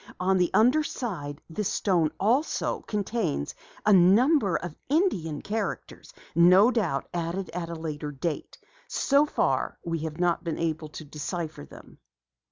On the underside, this stone also contains a number of Indian characters, no doubt added at a later date. So far we have not been able to decipher them."